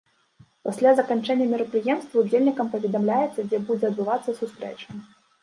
Пасля заканчэння мерапрыемства ўдзельнікам паведамляецца, дзе будзе адбывацца сустрэча.